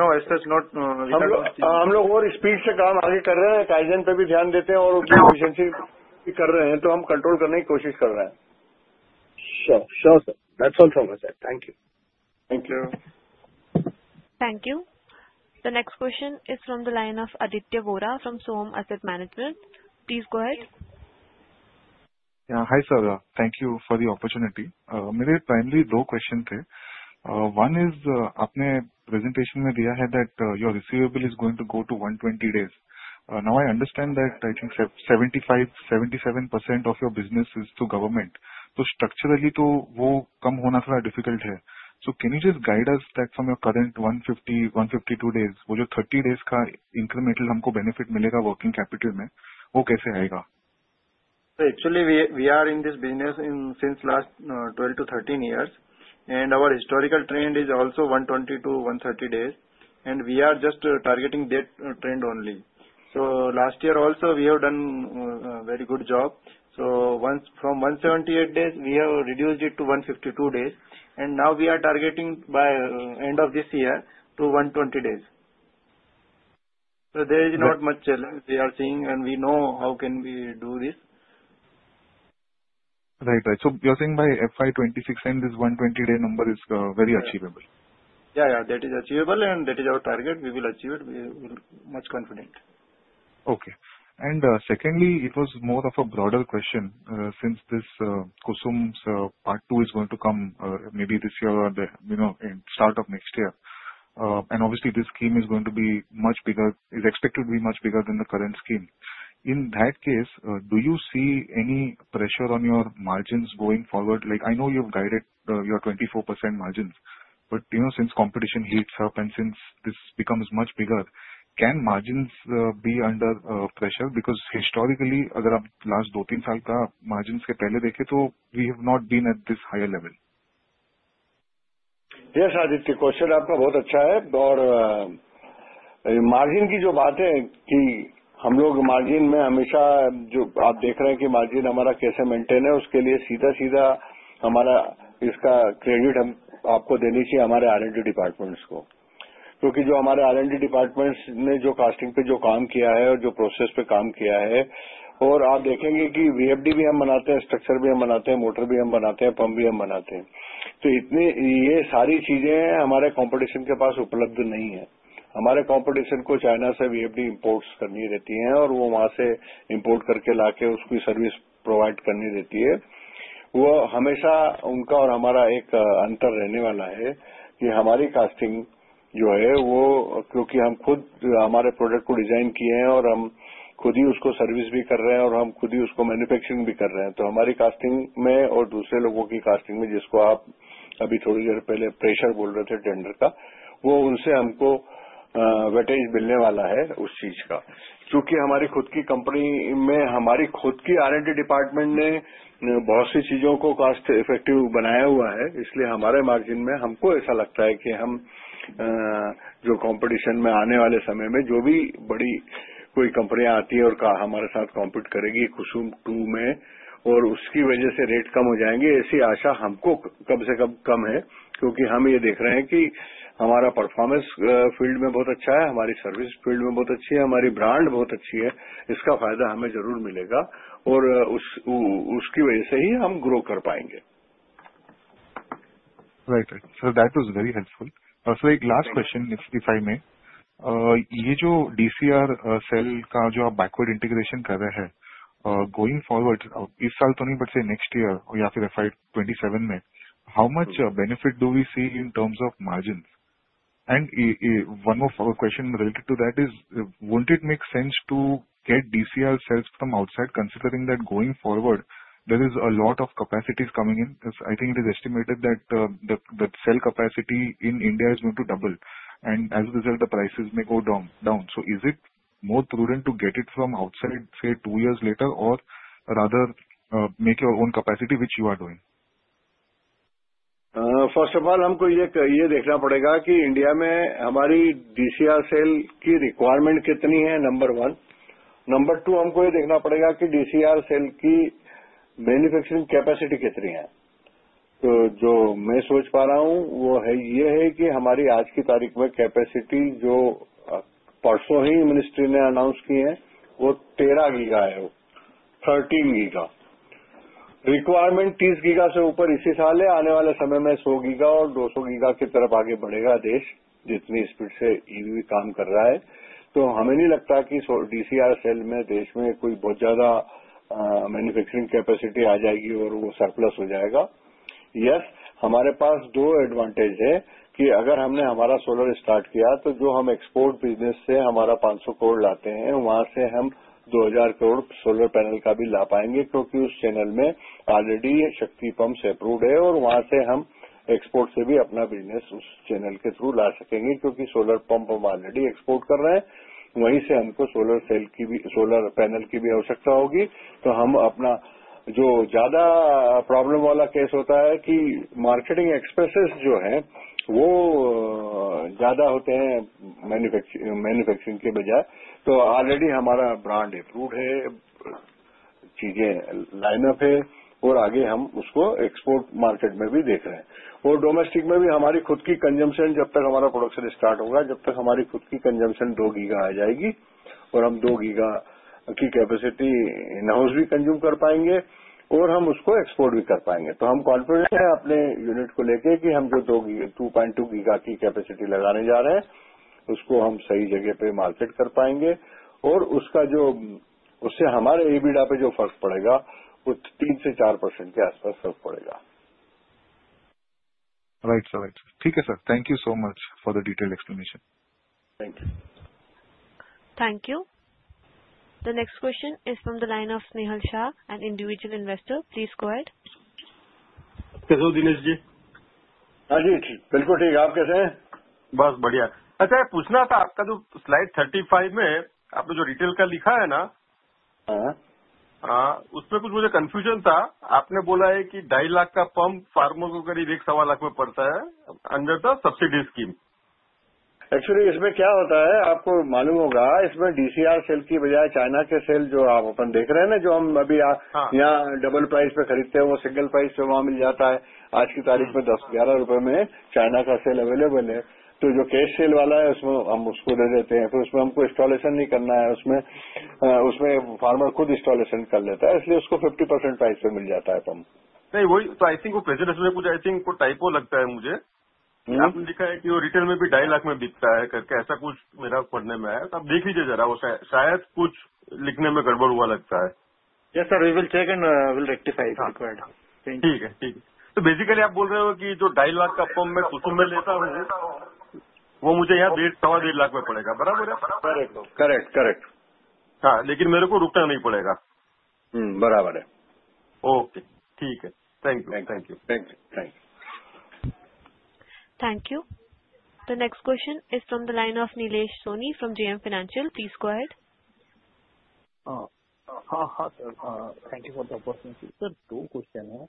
C: No, as such not. हम लोग और speed से काम आगे कर रहे हैं, guidance पे भी ध्यान देते हैं, और उसमें efficiency भी कर रहे हैं, तो हम control करने की कोशिश कर रहे हैं। Sure, sure, sir. That's all from us. Thank you. Thank you.
A: Thank you. The next question is from the line of Aditya Vora from Soam Asset Management. Please go ahead. Yeah, hi sir. Thank you for the opportunity. मेरे primary दो questions थे. One is, आपने presentation में दिया है that your receivables are going to go to 120 days. Now I understand that I think 75-77% of your business is to government. तो structurally तो वो कम होना थोड़ा difficult है. So can you just guide us that from your current 150-152 days, वो जो 30 days का incremental हमको benefit मिलेगा working capital में, वो कैसे आएगा?
C: Actually, we are in this business since last 12 to 13 years, and our historical trend is also 120 to 130 days, and we are just targeting that trend only. Last year also we have done a very good job. From 178 days, we have reduced it to 152 days, and now we are targeting by end of this year to 120 days. There is not much challenge we are seeing, and we know how we can do this. Right, right. So you are saying by FY26 and this 120-day number is very achievable? Yeah, yeah. That is achievable, and that is our target. We will achieve it. We will be much more confident. Okay. And secondly, it was more of a broader question since this KUSUM II is going to come maybe this year or in start of next year. And obviously, this scheme is going to be much bigger, is expected to be much bigger than the current scheme. In that case, do you see any pressure on your margins going forward? Like, I know you've guided your 24% margins, but since competition heats up and since this becomes much bigger, can margins be under pressure? Because historically, अगर आप last दो-तीन साल का margins के पहले देखें, तो we have not been at this higher level. Yes, Aditya, आपका question बहुत अच्छा है. और margin की जो बात है कि हम लोग margin में हमेशा जो आप देख रहे हैं कि margin हमारा कैसे maintain है, उसके लिए सीधा-सीधा हमारा इसका credit हम आपको देनी चाहिए हमारे R&D departments को. क्योंकि जो हमारे R&D departments ने जो casting पे जो काम किया है और जो process पे काम किया है, और आप देखेंगे कि VFD भी हम बनाते हैं, structure भी हम बनाते हैं, motor भी हम बनाते हैं, pump भी हम बनाते हैं. तो इतने ये सारी चीजें हमारे competition के पास उपलब्ध नहीं हैं. हमारे competition को China से VFD imports करनी रहती हैं, और वो वहाँ से import करके लाकर उसकी service provide करनी रहती है. वह हमेशा उनका और हमारा एक अंतर रहने वाला है कि हमारी casting जो है, वो क्योंकि हम खुद हमारे product को design किए हैं और हम खुद ही उसको service भी कर रहे हैं और हम खुद ही उसको manufacturing भी कर रहे हैं। तो हमारी casting में और दूसरे लोगों की casting में, जिसको आप अभी थोड़ी देर पहले pressure बोल रहे थे tender का, वो उनसे हमको advantage मिलने वाला है उस चीज का। क्योंकि हमारी खुद की कंपनी में हमारी खुद की R&D department ने बहुत सी चीजों को cost effective बनाया हुआ है, इसलिए हमारे margin में हमको ऐसा लगता है कि हम जो competition में आने वाले समय में जो भी बड़ी कोई कंपनियां आती हैं और हमारे साथ compete करेगी KUSUM II में, और उसकी वजह से rate कम हो जाएंगे, ऐसी आशा हमको कम से कम है। क्योंकि हम ये देख रहे हैं कि हमारा performance field में बहुत अच्छा है, हमारी service field में बहुत अच्छी है, हमारी brand बहुत अच्छी है। इसका फायदा हमें जरूर मिलेगा, और उसकी वजह से ही हम grow कर पाएंगे। Right, right. So that was very helpful. So एक last question, if I may. ये जो DCR sale का जो आप backward integration कर रहे हैं, going forward, इस साल तो नहीं, but say next year या फिर FY27 में, how much benefit do we see in terms of margins? One more question related to that is, won't it make sense to get DCR sales from outside, considering that going forward there is a lot of capacities coming in? I think it is estimated that the sale capacity in India is going to double, and as a result, the prices may go down. So is it more prudent to get it from outside, say two years later, or rather make your own capacity, which you are doing? First of all, हमको ये देखना पड़ेगा कि India में हमारी DCR sale की requirement कितनी है, number one. Number two, हमको ये देखना पड़ेगा कि DCR sale की manufacturing capacity कितनी है. तो जो मैं सोच पा रहा हूँ, वो है ये है कि हमारी आज की तारीख में capacity जो परसों ही ministry ने announce की है, वो 13 गीगा है, 13 गीगा. Requirement 30 गीगा से ऊपर इसी साल है, आने वाले समय में 100 गीगा और 200 गीगा की तरफ आगे बढ़ेगा देश, जितनी speed से EV काम कर रहा है. तो हमें नहीं लगता कि DCR sale में देश में कोई बहुत ज्यादा manufacturing capacity आ जाएगी और वो surplus हो जाएगा. Yes, हमारे पास दो advantage हैं कि अगर हमने हमारा solar start किया, तो जो हम export business से हमारा 500 crore लाते हैं, वहाँ से हम 2,000 crore solar panel का भी ला पाएंगे, क्योंकि उस channel में already Shakti Pumps approved है, और वहाँ से हम export से भी अपना business उस channel के through ला सकेंगे. क्योंकि solar pump हम already export कर रहे हैं, वहीं से हमको solar sale की भी, solar panel की भी आवश्यकता होगी. तो हम अपना जो ज्यादा problem वाला case होता है कि marketing expenses जो हैं, वो ज्यादा होते हैं manufacturing के बजाय. तो already हमारा brand approved है, चीजें line up हैं, और आगे हम उसको export market में भी देख रहे हैं. और domestic में भी हमारी खुद की consumption, जब तक हमारा production start होगा, जब तक हमारी खुद की consumption 2 गीगा आ जाएगी, और हम 2 गीगा की capacity in-house भी consume कर पाएंगे, और हम उसको export भी कर पाएंगे। तो हम confident हैं अपने unit को लेकर कि हम जो 2.2 गीगा की capacity लगाने जा रहे हैं, उसको हम सही जगह पर market कर पाएंगे, और उसका जो उससे हमारे EBITDA पर जो फर्क पड़ेगा, वो 3 से 4% के आसपास फर्क पड़ेगा। Right, right. ठीक है sir. Thank you so much for the detailed explanation. Thank you.
A: Thank you. The next question is from the line of Snehal Shah, an individual investor. Please go ahead.
C: कैसे हो Dinesh ji? हाँ जी, ठीक, बिल्कुल ठीक। आप कैसे हैं? बहुत बढ़िया। अच्छा, ये पूछना था, आपका जो slide 35 में, आपने जो retail का लिखा है ना, उसमें कुछ मुझे confusion था। आपने बोला है कि ₹2.5 लाख का pump farmers को करीब ₹1.25 लाख में पड़ता है, under the subsidy scheme। Actually, इसमें क्या होता है, आपको मालूम होगा, इसमें DCR sale की बजाय China के sale जो आप अपन देख रहे हैं ना, जो हम अभी यहाँ double price पर खरीदते हैं, वो single price पर वहाँ मिल जाता है। आज की तारीख में ₹10-11 में China का sale available है। तो जो cash sale वाला है, उसमें हम उसको दे देते हैं। फिर उसमें हमको installation नहीं करना है, उसमें farmer खुद installation कर लेता है, इसलिए उसको 50% price पर मिल जाता है pump। नहीं, वही तो I think वो presentation में कुछ I think वो typo लगता है मुझे। आपने लिखा है कि वो retail में भी ₹2.5 लाख में बिकता है, करके ऐसा कुछ मेरा पढ़ने में आया। तो आप देख लीजिए जरा, वो शायद कुछ लिखने में गड़बड़ हुआ लगता है। Yes sir, we will check and we will rectify it. ठीक है, ठीक है। तो basically आप बोल रहे हो कि जो ₹2.5 लाख का pump मैं KUSUM में लेता हूँ, वो मुझे यहाँ ₹1.5 लाख में पड़ेगा। बराबर है? Correct, correct. हाँ, लेकिन मुझे रुकना नहीं पड़ेगा। बराबर है। ओके, ठीक है। Thank you, thank you.
A: Thank you. So next question is from the line of Nilesh Soni, from GM Financial. Please go ahead. हाँ, हाँ sir, thank you for the opportunity. Sir, दो question हैं. Sir,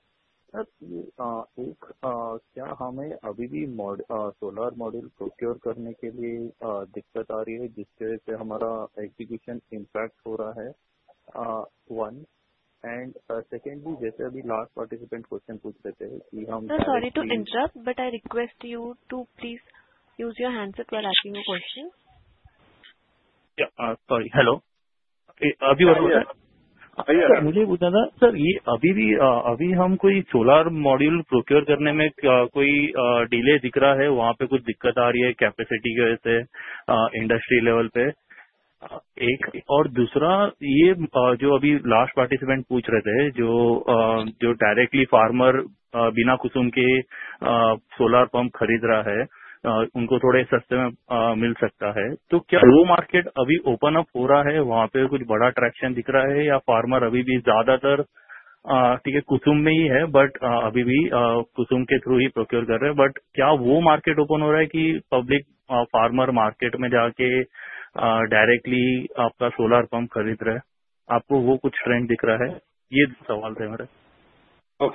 A: एक, क्या हमें अभी भी solar model procure करने के लिए दिक्कत आ रही है, जिसके वजह से हमारा execution impact हो रहा है? One, and secondly, जैसे अभी last participant question पूछ रहे थे कि हम. Sorry to interrupt, but I request you to please use your handset while asking your question.
C: Yeah, sorry, hello. अभी बोलो। हाँ, सर। मुझे ये पूछना था, सर, ये अभी भी, अभी हम कोई solar module procure करने में कोई delay दिख रहा है, वहाँ पर कुछ दिक्कत आ रही है capacity की वजह से, industry level पर। एक, और दूसरा, ये जो अभी last participant पूछ रहे थे, जो directly farmer बिना KUSUM के solar pump खरीद रहा है, उनको थोड़े सस्ते में मिल सकता है। तो क्या वो market अभी open up हो रहा है, वहाँ पर कुछ बड़ा traction दिख रहा है, या farmer अभी भी ज्यादातर KUSUM में ही है? अभी भी KUSUM के through ही procure कर रहे हैं, क्या वो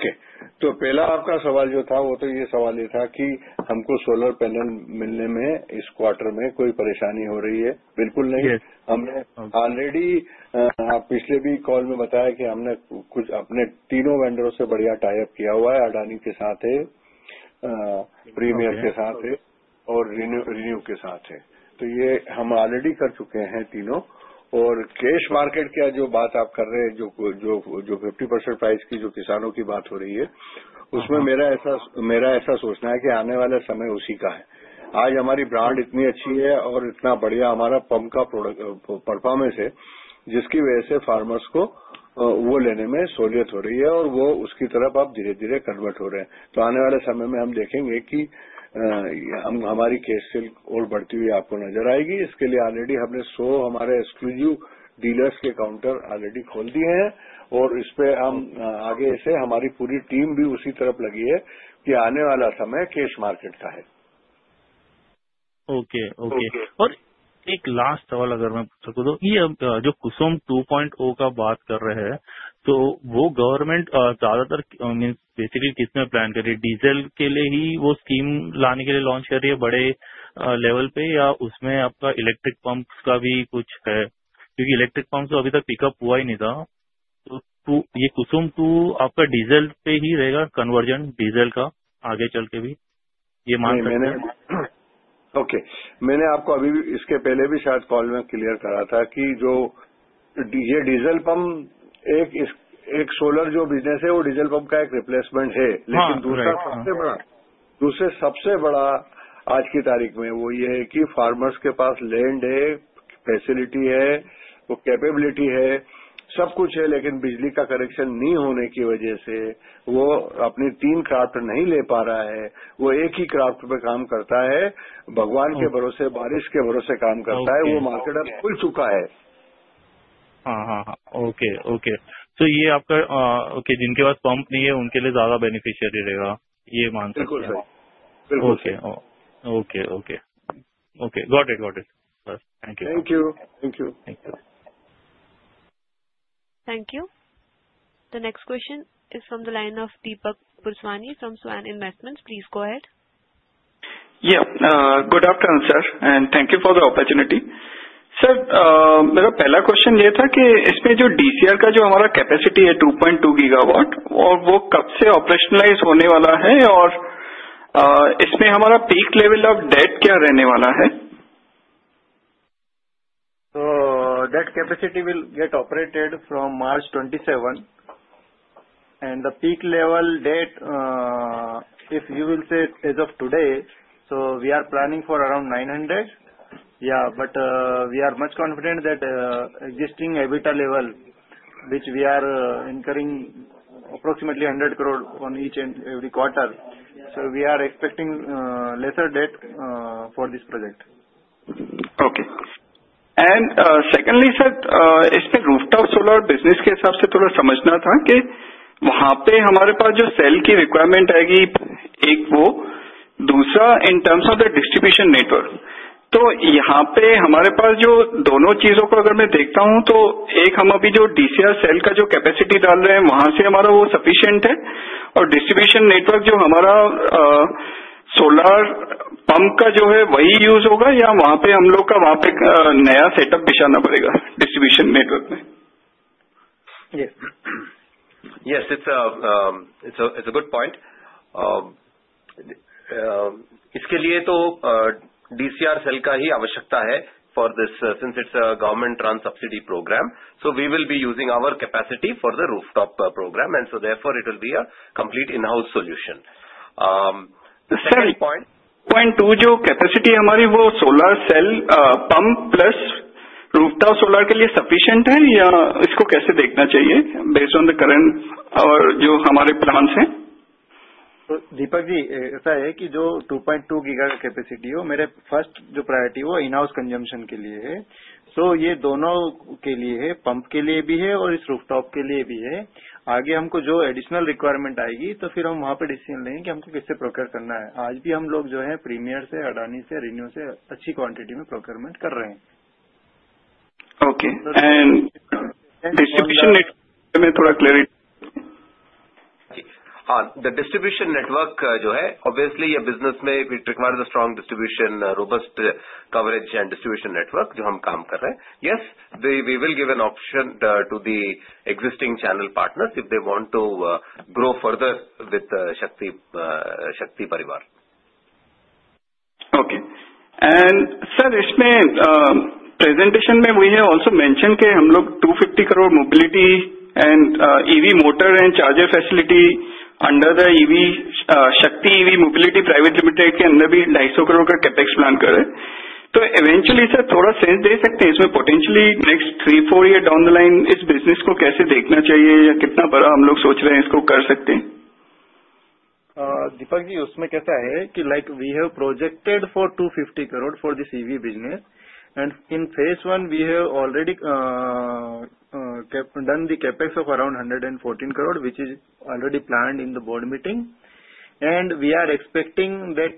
C: market open हो रहा है कि public farmer market में जाकर directly आपका solar pump खरीद रहा है? आपको वो कुछ trend दिख रहा है? ये सवाल थे मेरे। ओके। तो पहला आपका सवाल जो था, वो तो ये सवाल ये था कि हमको solar panel मिलने में इस quarter में कोई परेशानी हो रही है? बिल्कुल नहीं। हमने already, आप पिछले भी call में बताया कि हमने तो वो government ज्यादातर, means basically किसमें plan कर रही है? Diesel के लिए ही वो scheme लाने के लिए launch कर रही है बड़े level पर या उसमें आपका electric pumps का भी कुछ है? क्योंकि electric pumps तो अभी तक pick up हुआ ही नहीं था। तो ये KUSUM II आपका diesel पर ही रहेगा, conversion diesel का आगे चलकर भी? ये मान सकते हैं? ओके. मैंने आपको अभी भी इसके पहले भी शायद call में clear करा था कि जो ये diesel pump, एक इस एक solar जो business है, वो diesel pump का एक replacement है. लेकिन दूसरा सबसे बड़ा, दूसरे सबसे बड़ा आज की तारीख में वो ये है कि farmers के पास land है, facility है, वो capability है, सब कुछ है, लेकिन बिजली का connection नहीं होने की वजह से वो अपनी तीन crop नहीं ले पा रहा है, वो एक ही crop पर काम करता है, भगवान के भरोसे, बारिश के भरोसे काम करता है, वो market अब खुल चुका है. हाँ, हाँ, हाँ. Okay, okay. तो ये आपका, ओके, जिनके पास pump नहीं है, उनके लिए ज्यादा beneficiary रहेगा, ये मान सकते हैं आप? बिल्कुल, सर। Okay, okay, okay. Okay, got it, got it. Sir, thank you. धन्यवाद। धन्यवाद।
A: Thank you. The next question is from the line of Deepak Purswani from Swan Investments. Please go ahead.
C: Yeah, good afternoon, sir. And thank you for the opportunity. Sir, मेरा पहला question यह था कि इसमें जो DCR का जो हमारा capacity है, 2.2 गीगावाट, और वो कब से operationalize होने वाला है, और इसमें हमारा peak level of debt क्या रहने वाला है? That capacity will get operated from March 27. The peak level debt, if you will say as of today, we are planning for around 900 crore, but we are much confident that existing EBITDA level, which we are incurring approximately 100 crore on each and every quarter, we are expecting lesser debt for this project. Okay. And secondly, sir, इसमें rooftop solar business के हिसाब से थोड़ा समझना था कि वहाँ पर हमारे पास जो sale की requirement आएगी, एक वो, दूसरा in terms of the distribution network. तो यहाँ पर हमारे पास जो दोनों चीजों को अगर मैं देखता हूँ, तो एक हम अभी जो DCR sale का जो capacity डाल रहे हैं, वहाँ से हमारा वो sufficient है, और distribution network जो हमारा solar pump का जो है, वही use होगा, या वहाँ पर हम लोगों का वहाँ पर नया setup बिछाना पड़ेगा distribution network में? Yes. Yes, it's a good point. इसके लिए तो DCR sale का ही आवश्यकता है for this, since it's a government trans-subsidy program. So we will be using our capacity for the rooftop program, and so therefore it will be a complete in-house solution. The second point. Point 2, जो capacity है हमारी, वो solar cell pump plus rooftop solar के लिए sufficient है, या इसको कैसे देखना चाहिए, based on the current और जो हमारे plans हैं? Deepak ji, ऐसा है कि जो 2.2 गीगा का capacity है, वो मेरे first जो priority है, वो in-house consumption के लिए है। So ये दोनों के लिए है, pump के लिए भी है और इस rooftop के लिए भी है। आगे हमको जो additional requirement आएगी, तो फिर हम वहाँ पर decision लेंगे कि हमको किससे procure करना है। आज भी हम लोग जो हैं, Premier से, Adani से, Renew से अच्छी quantity में procurement कर रहे हैं। ओके. And distribution network में थोड़ा clarity? हाँ, the distribution network जो है, obviously ये business में it requires a strong distribution, robust coverage and distribution network, जो हम काम कर रहे हैं. Yes, we will give an option to the existing channel partners if they want to grow further with Shakti परिवार. Okay. And sir, इसमें presentation में we have also mentioned कि हम लोग 250 crore mobility and EV motor and charger facility under the EV Shakti EV Mobility Private Limited के अंदर भी INR 250 crore का capex plan कर रहे हैं. तो eventually, sir, थोड़ा sense दे सकते हैं इसमें potentially next 3-4 years down the line इस business को कैसे देखना चाहिए, या कितना बड़ा हम लोग सोच रहे हैं इसको कर सकते हैं? Deepak ji, उसमें कैसा है कि like we have projected for 250 crore for this EV business, and in phase 1 we have already done the capex of around 114 crore, which is already planned in the board meeting, and we are expecting that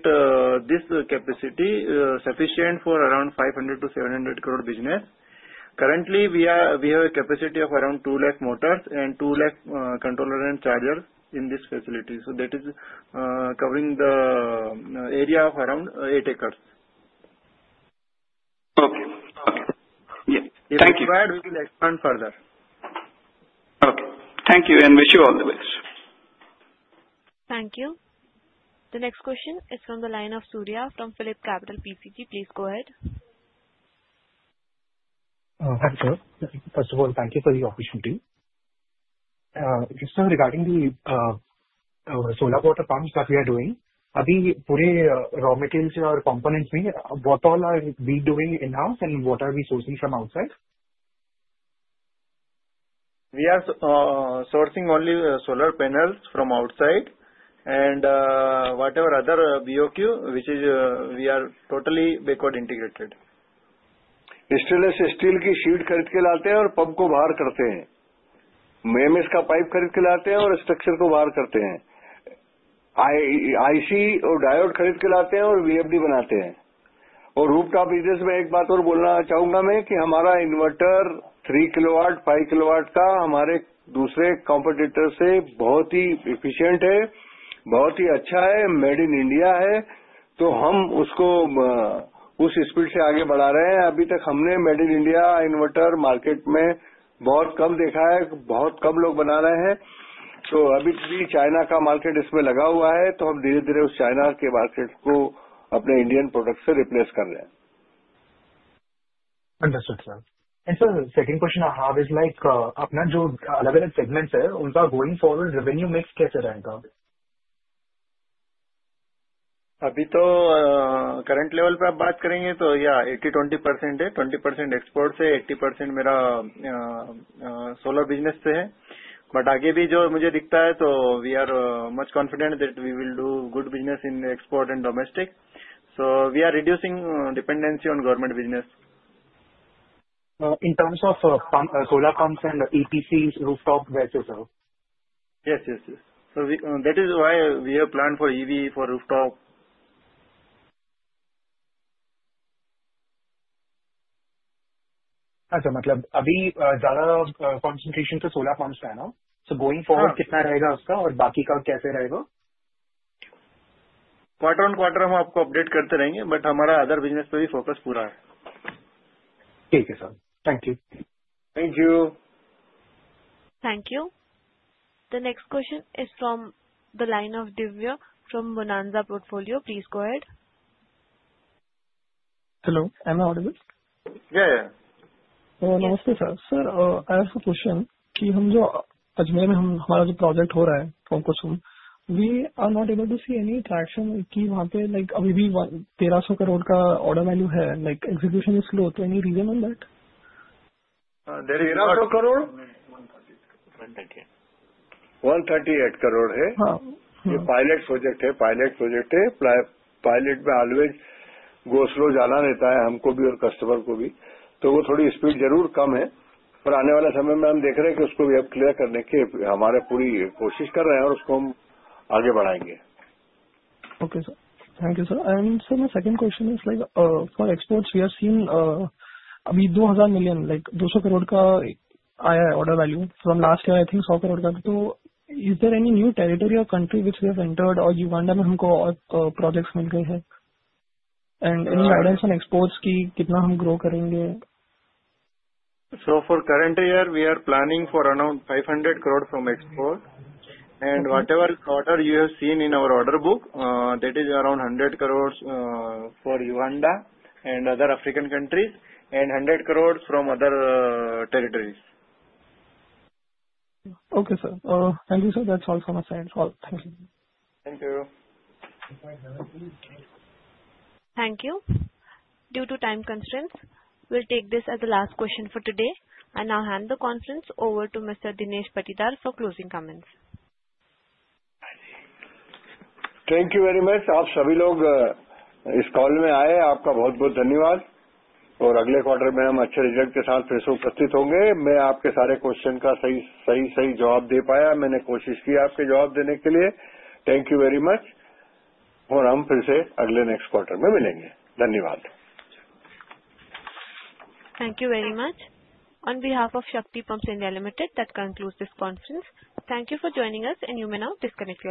C: this capacity is sufficient for around 500 to 700 crore business. Currently, we have a capacity of around 2 lakh motors and 2 lakh controllers and chargers in this facility. That is covering the area of around 8 acres. Okay. Yes. Thank you. If required, we will expand further. Okay. Thank you and wish you all the best.
A: Thank you. The next question is from the line of Surya from Philip Capital PCG. Please go ahead. Hi sir. First of all, thank you for the opportunity. Just regarding the solar water pumps that we are doing, अभी पूरे raw materials और components में what all are we doing in-house and what are we sourcing from outside? We are sourcing only solar panels from outside and whatever other BOQ, which is we are totally backward integrated.
C: Steel की sheet खरीद के लाते हैं और pump को बाहर करते हैं। Memes का पाइप खरीद के लाते हैं और स्ट्रक्चर को बाहर करते हैं। IC और डायोड खरीद के लाते हैं और VFD बनाते हैं। Rooftop business में एक बात और बोलना चाहूंगा मैं कि हमारा inverter 3 किलोवाट, 5 किलोवाट का हमारे दूसरे competitor से बहुत ही efficient है, बहुत ही अच्छा है, made in India है, तो हम उसको उस स्पीड से आगे बढ़ा रहे हैं। अभी तक हमने made in India inverter market में बहुत कम देखा है, बहुत कम लोग बना रहे हैं। तो अभी भी चाइना का मार्केट इसमें लगा हुआ है, तो हम धीरे-धीरे उस चाइना के मार्केट को अपने इंडियन प्रोडक्ट से रिप्लेस कर रहे हैं। Understood, sir. दूसरा प्रश्न मेरा यह है कि अपना जो अलग-अलग segments हैं, उनका going forward revenue mix कैसे रहेगा? अभी तो current level पर आप बात करेंगे तो, yeah, 80-20% है, 20% export से, 80% मेरा solar business से है. But आगे भी जो मुझे दिखता है, तो we are much confident that we will do good business in export and domestic. So we are reducing dependency on government business. In terms of solar pumps and EPC rooftop, that's it, sir? Yes, yes, yes. That is why we have planned for EV for rooftop. अच्छा, मतलब अभी ज्यादा concentration तो solar pumps हैं ना? So going forward कितना रहेगा उसका और बाकी का कैसे रहेगा? Quarter on quarter हम आपको update करते रहेंगे, but हमारा other business पर भी focus पूरा है। ठीक है, sir. Thank you. Thank you.
A: Thank you. The next question is from the line of Divya from Bonanza Portfolio. Please go ahead.
D: Hello, am I audible? Yeah, yeah. नमस्ते, Sir. Sir, I have a question कि हम जो अजमेर में हमारा जो project हो रहा है from KUSUM, we are not able to see any traction कि वहाँ पे like अभी भी INR 1,300 crore का order value है, like execution is slow. Any reason on that?
C: 1300 crore? 138. 138 crore है?
D: हाँ।
C: यह पायलट प्रोजेक्ट है, पायलट प्रोजेक्ट है, पायलट में हमेशा धीरे जाना पड़ता है हमको भी और कस्टमर को भी। तो वो थोड़ी स्पीड जरूर कम है, पर आने वाले समय में हम देख रहे हैं कि उसको भी अब क्लियर करने की हमारी पूरी कोशिश कर रहे हैं और उसको हम आगे बढ़ाएंगे।
D: Okay, sir. Thank you, sir. And sir, my second question is like for exports, we have seen अभी 2,000 million, like 200 crore का आया है order value from last year, I think 100 crore का. So is there any new territory or country which we have entered और Uganda में हमको और projects मिल गए हैं? And any guidance on exports कि कितना हम grow करेंगे? For the current year, we are planning for around 500 crore from export. And whatever order you have seen in our order book, that is around 100 crores for Uganda and other African countries, and 100 crores from other territories. Okay, sir. Thank you, sir. That's all from my side. All right. Thank you. Thank you.
A: Thank you. Due to time constraints, we'll take this as the last question for today. I now hand the conference over to Mr. Dinesh Patidar for closing comments.
C: Thank you very much. आप सभी लोग इस call में आए, आपका बहुत-बहुत धन्यवाद। और अगले quarter में हम अच्छे result के साथ फिर से उपस्थित होंगे। मैं आपके सारे question का सही-सही जवाब दे पाया, मैंने कोशिश की आपके जवाब देने के लिए। Thank you very much। और हम फिर से अगले next quarter में मिलेंगे। धन्यवाद।
A: Thank you very much. On behalf of Shakti Pumps India Limited, that concludes this conference. Thank you for joining us, and you may now disconnect.